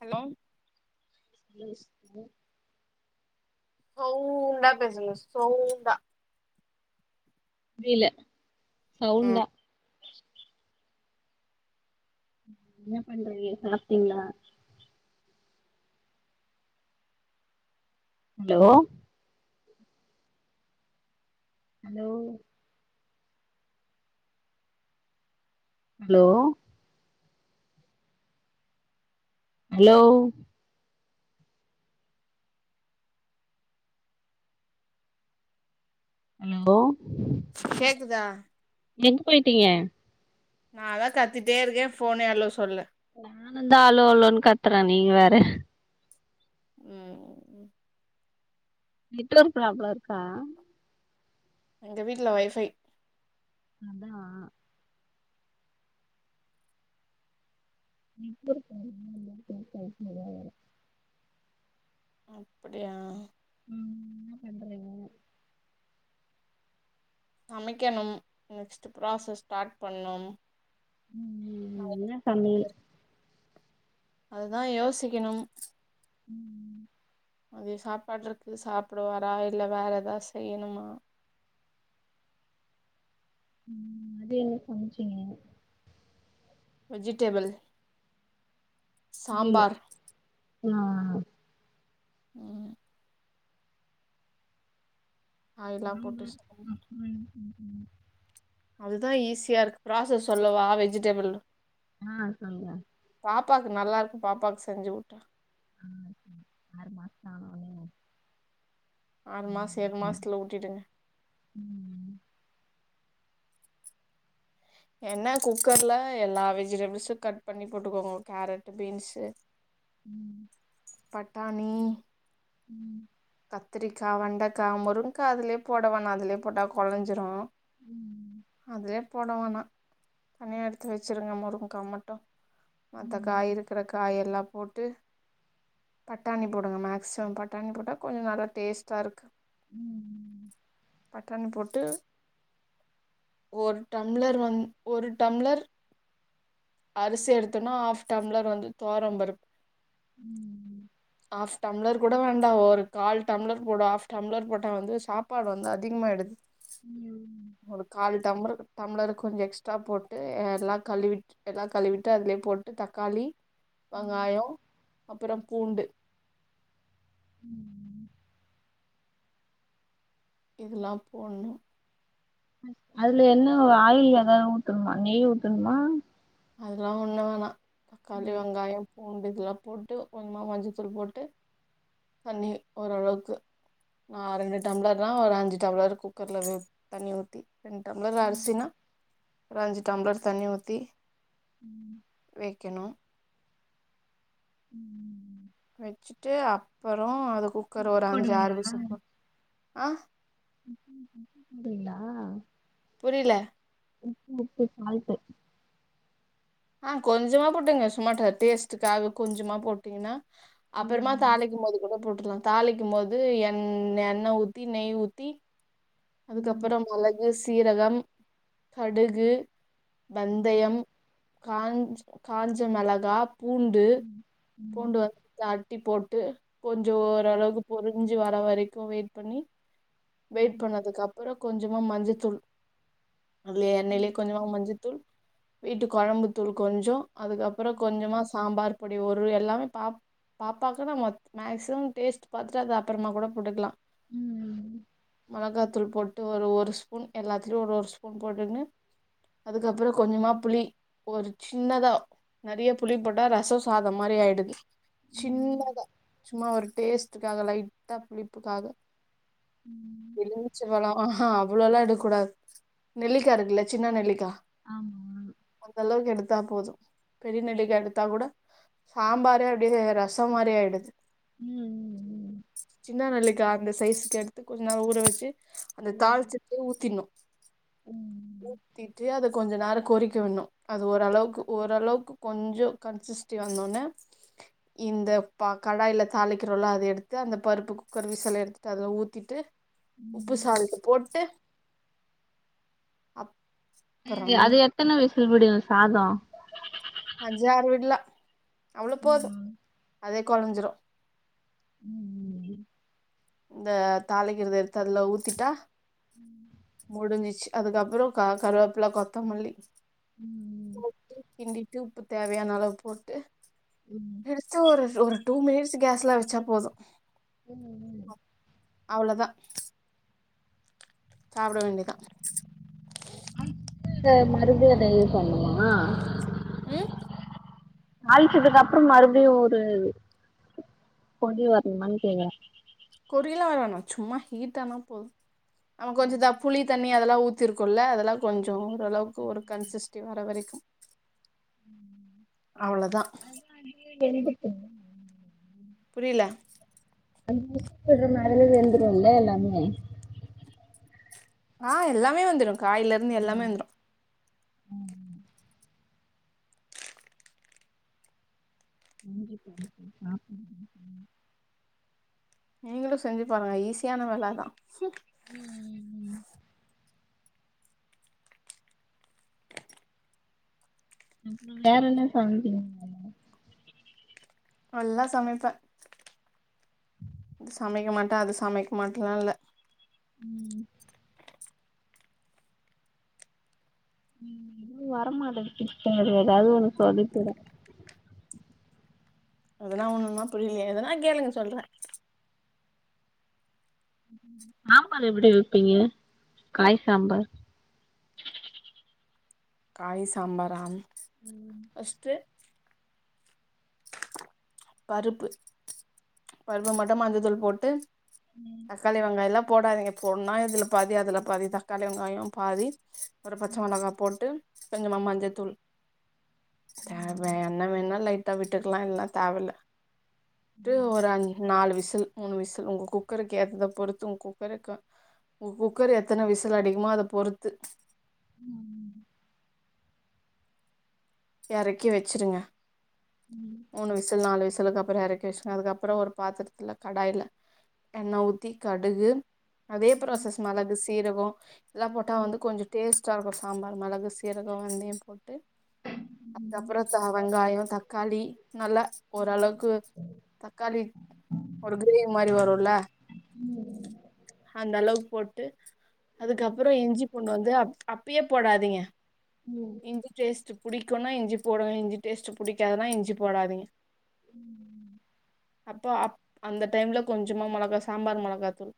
Hello சொல்லஸ் ம் சவுண்டா பேசுங்க சவுண்டா புரிய்ல ம் சவுண்டா என்ன பண்றீங்க சாப்ட்டீங்ளா hello hello hello hello hello கேக்குதா எங்க போயிட்டீங்க நாலா கத்திட்டே இருக்கே ஃபோனே ஹலோ சொல்ல நானுந்தா அலோ அலோன்னு கத்தற நீ வேற ம் ம் நெட்ஒர்க் ப்ராப்ளம் இருக்கா எங்க வீட்டுல வைஃ பை அதா நிப்ப [unintelligible] அப்படியா ம் என்ன பண்றீங்க சமைக்கணும் நெக்ஸ்ட்டு ப்ராசஸ் ஸ்டார்ட் பண்ணும் ம் என்னா சமையல் அதுதா யோசிக்கணும் ம் அது சாப்பாடு இருக்கு சாப்டுவாரா இல்ல வேற ஏதாது செய்யணுமா ம் மதியோ என்ன சம்ச்சீங்க வெஜிடேபிள் சாம்பார் நா ம் காய்லா போட்டு சம்பார் அப்பளோ [inaudible] அதுதான ஈஸியா இருக்கு ப்ராசஸ் சொல்லவா வெஜிடபிள் ஆ சொல்லுங்க ப்பாவுக்கு நல்லா இருக்கு பாப்பாக்கு செஞ்சு ஊட்ட ம் ஆறு மாசத்து ஆனோ ஒனே ஆறு மாச ஏழு மாசத்துல ஊட்டிடுங்க ம் என்ன குக்கர்ல எல்லா வெஜிடபிள்ஸு கட் பண்ணி போட்டுக்கோங்க கேரட் பீன்ஸு ம் பட்டாணி ம் கத்திரிக்கா வெண்டக்கா முருங்கக்கா அதுலயே போட வேணா அதுலயே போட்டா கொலஞ்சிரு அதுலே போடவேனா தனியா எடுத்து வச்சிருங்க முருங்கக்கா மட்டு மத்த ம் காய் இருக்கிற காய் எல்லா போட்டு பட்டாணி போடுங்க மேக்சிமம் பட்டாணி போட்டா கொஞ்ச நல்லா டேஸ்ட்டா இருக்கு ம் பட்டாணி போட்டு ஒரு டம்ளர் வந் ஒரு டம்ளர் அரிசி எடுத்தோன்னா ஹாஃப் டம்ளர் வந்து தோரம்பருப் ம் ம் ஆஃப் டம்ளர் கூட வேண்டா ஒரு கால் டம்ளர் போடு ஆஃப் டம்ளர் போட்டா வந்து சாப்பாடு வந்து அதிகமாயிடுது ம் ஒரு கால டம்ளறு டம்ளர் கொஞ்ச எக்ஸ்ட்ரா போட்டு எல்லா கழுவிட் எல்லா கழுவிட்டு அதுலயே போட்டு தக்காளி ம் வெங்காயொ அப்புற பூண்டு ம் இதுல்லா போட்ணு அதுல என்ன ஆயிள் ஏதாவது ஊத்தணுமா நெய் ஊத்தணுமா அதெல்லா ஒண்ணு வேணா தக்காளி ம் வெங்காய பூண்டு எல்லா போட்டு கொஞ்சமா மஞ்சத்தூள் போட்டு தண்ணி ஓரளவுக்கு நா ரெண்டு டம்ப்ளர்னா ஒரு அஞ்சு டம்ளர் குக்கர்ல உ தண்ணி ஊத்தி ரெண்டு டம்பளர் ம் அரிசினா ஒரு அஞ்சு டம்ளர் தனி ஊத்தி ம் வெக்கணு ம் ம் ம் வெச்சுட்டு அப்புறோ அது குக்கர் உப்பு ஒரு அஞ்சு ஆறு போடுவீங்களா விசில் பொ [inaudible] ரிங்களா புரியல உப்பு உப்பு சால்ட்டு ஆ கொஞ்சமா பொட்டுங்க சும்மாட்டா டேஸ்டுக்காக கொஞ்சமா போட்டீங்கன்னா ம் அப்புறமா ம் தளிக்கும் போது கூட போட் டுக்லா தாளிக்கும் போது எண் எண்ணெ ஊத்தி நெய் ஊத்தி ம் அதுக்கப்புறம் மெளகு சீரகம் கடுகு ம் வந்தயம் காஞ்ச் காஞ்ச மெளகா பூண்டு ம் ம் பூண்டு வந்து அட்டி போட்டு கொஞ்ச ம் ஓரளவுக்கு பொரிஞ்சு வர வரைக்கு வெயிட் பண்ணி வெயிட் அதுக்கப்புற கொஞ்சமா மஞ்ச தூள் அதுலயே எண்ணெய்லயே ம் கொஞ்சமா மஞ்ச தூள் வீட்டு கொழம்புத்தூள் கொஞ்சொ அதுக்கப்புறோ கொஞ்சமா சாம்பார் பொடி ஒரு எல்லாமே பாப் பாப்பாக்கு நம்ம மேக்சிமம் டேஸ்ட் பாத்துட்டு அது அப்புறமா கூட போட்டுக்கலா உம் உம் மொளகாதூள் போட்டு ஒரு ஒரு ஸ்பூன் எல்லாத்துலையு ஒரு ஒரு ஸ்பூன் போட்டுக்குனு அதுக்கப்புறோ கொஞ்சமா புளி ஒரு சின்னதா நெறைய புளி போட்டா ரசம் சாதோ மாரி ஆயிடுது ம் ம் சின்னதா சும்மா ஒரு டேஸ்டுக்காக லைட்டா புளிப்புக்காக ம். எலிமிச்சு பழோ ஆ ஹா அவ்வளோலா எடுக்கூடாது நெல்லிக்கா இருக்குல்ல சின்னா நெல்லிக்கா ஆமா. அந்த அளவுக்கு எடுத் தா போது பெரிய நெல்லிக்கா எடுத்தா கூட சாம்பாரே அப்டியே ரசம் மாரி ஆயிடுது ம், ம், ம், சின்ன நெல்லிக்கா அந்த சைஸ்க்கு எடுத்து கொஞ்ச ஊற வச்சு அந்த ம். தாளிச்சுட்டு ஊத்தினு ம். ஊத்திட்டு அத கொஞ்ச நேரம் கொரிக்க விட்னு அது ஓரளவுக்கு ஓரளவுக்கு கொஞ்சோ கன்சிஸிடி ஆனன்னோ இந்த பா கடாயில தாளிக்கிறோல அத எடுத்து அந்த பருப்பு குக்கரு விசில எடுத்துட்டு அதல ஊத்திட்டு உப்பு ம். சால்ட் போட்டு அப்பறம் அது எத்தன விசில்படி சாதோ அஞ்சு ஆறு விட்ல அவ்ளோ போது ம். அதே கொலஞ்சிடு உம் உம் இந்த தாளிக்கிறது எடுத்து அதுல ஊத்திட்டா உம் முடிஞ்சிச்சு அதுக்கப்புறோ கா கருவேப்பில்ல கொத்தமல்லி உம் உம் போட்டு கிண்டிட்டு உப்பு தேவையான அளவு போட்டு ம், எடுத்து ஒரு ஒரு டூ மினிட்ஸ் கேஸ்ல வச்சா போது உம் அவளோதா சாப்ட வேண்டியதா அந்த மருந்து அத யூஸ்ன்னணுமா உம் அல்சிட்டுதக்கு கப்புறோ மறுபடியு ஒரு கொதி வரணுமான்னு கேக்குறே கொரியலா வர வேணா சும்மா ஹீட்டா ஆனா போது நம்ம கொஞ்ஞதா புளி தண் தண்ணி அதெல்லா ஊத்திருக்கல்ல அதெல்லா கொஞ்சோ ஓரளவுக்கு ஒரு கன்சஸ்டி வர வரைக்கு அவ்ளோதா வேந்தட்டு புரியல அஞ்சு விசில் விடுறதால வெந்தரும்ல எல்லாமே ஆ எல்லாமே வெந்துரு காயில இருந்து எல்லாமே வெந்துரு ம். நன்றிப்பா [unintelligible] நீங்களு செஞ்சு பாருங்க ஈஸியான வேல தா உம் உம் உம் ‌ அப்புறோ வேற என்ன சமைப்பீங்க நல்லா சமைப்பே இது சமைக்க மாட்டே அது சமைக்க மாட்டேலா இல்ல உம் உம் எதுவு வர மாட்டேங்குது நீ ஏதாது ஒன்னு சொலி கூடே எதனா ஒன்னுன்னா புரியலையே எதுனா கேளுங்க சொல்றே ஆம்பார் எப்படி வைப்பீங்க காய் சாம்பார் [inaudible] காய் சாம்பாரா ஃபர்ஸ்டு பருப்பு பருப்பு மட்டு மஞ்சத்தூள் போட்டு தக்காளி வெங்காயம்ல்லாப் போடாதீங்க பொட்னோ இதுல பாதி அதுல பாதி தக்காளி வெங்காயோ பாதி ஒரு பச்ச மொளகா போட்டு கொஞ்சமா மாஞ்சத்தூள் தேவன்னா வேணா லைட் ட்ட வீட்டுக்லா இல்ல தேவல்ல ட்டு ஒரு அஞ் நாலு விசல் மூணு விசல் உங்க குக்கருக்கு ஏற்றத பொறுத்து உங்க குக்கருக்கு உங்க குக்கர் எத்தன விசல் அடிக்குமோ அத பொறுத்து ம் எறக்கி வச்சிருங்க மூணு விசில் நாலு விசிலுக்கு அப்புறோ எறக்க வஷ்ருங்க அதுக்கப்புறோ ஒரு பாத்துரத்துல கடாயில எண்ணெ ஊத்தி கடுகு அதே ப்ராசஸ் மெளகு சீரகோ இதல்லா போட்டா வந்து கொஞ்சோ டேஸ்ட்டாருக்கு சாம்பார் மெளகு சீரகோ வெந்தையோ போட்டு அதுக்கப்புறோ தா வெங்காயோ தக்காளி நல்லா ஓரளவுக்கு தக்காளி ஒரு கிரேவி மாரி வருல்ல அந்தளவுக்கு போட்டு அதுக்கப்புறோ இஞ்சி பூண்டு வந்து அப் அப்பயே போடாதீங்க இஞ்சி டேஸ்ட் புடி குன்னா இஞ்சி போடுங்க இஞ்சி டேஸ்ட் புடிக்காதனா இஞ்சி போடாதீங்க ம் ம் அப்ப அப் அந்த டைம்ல கொஞ்சமா மொளகா சாம்பார் மொளகா தூள்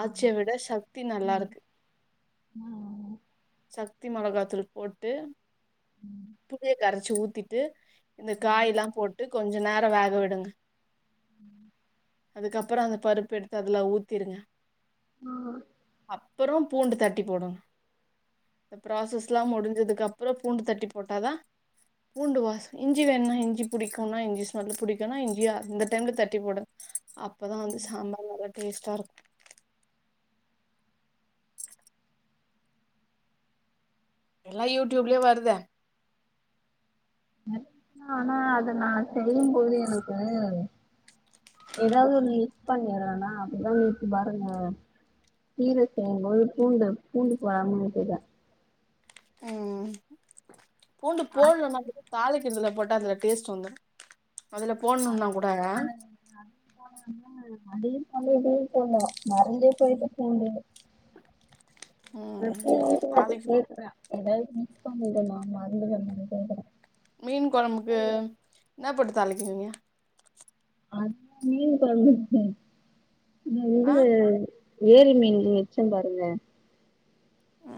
ஆச்சிய விட சக்தி நல்லாருக்கு சக் தி மொளகா தூள் போட்டு ம் புளிய கரச்சி ஊத்திட்டு இந்த காயலா போட்டு கொஞ்ச நேரோ வேக விடுங்க இதுக்கப்புறோ அந்த பருப்பெடுத்து அதுல ஊத்திருங்க அப்புறோ பூண்டு தட்டி போடணு இந்த ப்ராசஸ்லா முடிஞ்சதுக்கு அப் அப்புறோ பூண்டு தட்டி போட்டாதா பூண்டு வாசன இஞ்சி வேண்னா இஞ்சி புடிக்கவுங்க இஞ்சி சாப்ட புடிக்குன்னா இஞ்சி அந்த டைம்ல தட்டி போடணு அப்பதா வந்து சாம்பார் நல்லா டேஸ்ட்டாருக் எல்லாம் யூடியூப்லே வருதே ந ஆனா அத நா சொல்லும் போது எனக்கு ஏதாவது ஒன்னு மிஸ் பண்ணிறேன்னா அப்டிதா [unintelligible] கீர செய்யும்போது பூண்டு பூண்டு போடாம செய்தே ம் பூண்டு போல்னா அது தாளிக் துல போட்டா அதுல டேஸ்ட் வந்துரு அதுல போடணுன்னா கூட அதுதா அடியு [unintelligible] மறந்தே போய்ட்டே [unintelligible] ம் ம் நாளைக்கி கேக்குறே ஏதாவது மிஸ் பண்ணிடனா மறந்துடனா கேக்கறே மீன் கொழம்புக்கு என்னா போட்டு தாளிக்கிறிங்க அது மீனு கொழும்புக்கு ஆ இது ஏரி மீன் வெச்சம் பாருங்க அ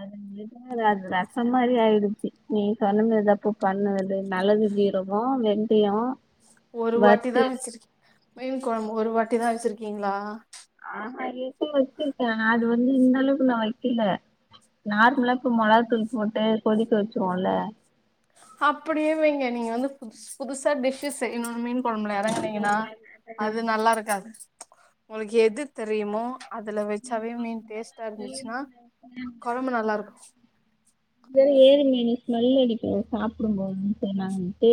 அது [unintelligible] அது ரசோ மாதிரி ஆயிடுச்சு நீ சொன்ன மேரிதா குக் பண்ணது நல்லது சீரகோ வெந்தயோ ஒரு வாட்டி தா வறுத்து வெச்சிருக்கிங் மீன் கொழம்பு ஒரு வாட்டி தா வெச்சிருக்கீங்ளா ஆ ஹா ஏற்கனவே வெச்சிருக்கே அது வந்து இந்த அளவுக்கு நா வெக்கல நார்மலா ப்போ மொளகா தூள் போட்டு கொதிக்க வச்சருவோல்ல அப்டியே வைங்க நீங்க வந்து புது புதுசா டிஷ்ஸு செய்யணுன்னே ஒரு மண்நேரோ அனுங்கினா அது நல்லாருக்காது உங்களுக்கு எது தெரியுமோ அதுல வெச்சாவே மீன் டேஸ்ட்டா இருந்துச்சுன்னா கொழம்பு நல்லாருக்கு சரி ஏரி மீனு ஸ்மெல் அடிக்கு சாப்புடும் போது செய்லாங்கட்டு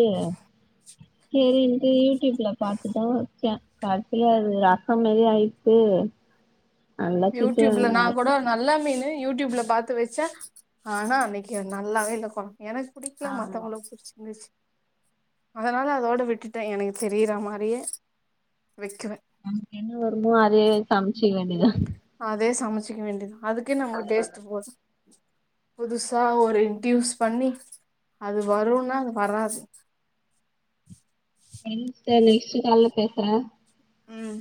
செரின்ட்டு யூடியூப்ல பாத்துதா வெச்சே கடைசில அது ரச மாரி ஆயிச்சு அ யூடியூப்ல நா கூட நல்ல மீனு யூடியூப்ல பாத்து வெச்சே ஆனா அன்னைக்கு நல்லாவே இல்லப்பா எனக்கு பிடிக்கல ஆமா மத்தவங்களுக்கு புடிச்சி இருந்துச்சு அதனால அதோட விட்டுட்டே எனக்கு தெரியற மாரியே வைக்க நமக்கு என்ன வருமோ அதே சம்ச்சிக்க வேண்டியதா அதே சமச்சுக்க வேண்டியதா அதுக்கே நமக்கு டேஸ்ட் போது புதுசா ஒரு இன்ட்யூஸ் பண்ணி அது வருனா அது வராது எஞ்ச்ட்ட நெக்ஸ்ட் கால்ல பேசுற ம்